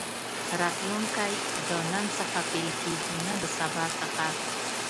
راتلونکی د نن څخه پيل کېږي نه د سبا څخه.